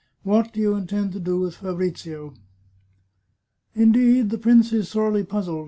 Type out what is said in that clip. What do you in tend to do with Fabrizio ?"" Indeed, the prince is sorely puzzled.